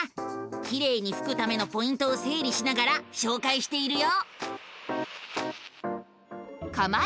きれいにふくためのポイントをせいりしながらしょうかいしているよ！